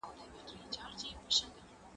کېدای سي ښوونځی بند وي